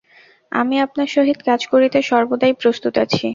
আমি আপনার সহিত কাজ করিতে সর্বদাই প্রস্তুত আছি।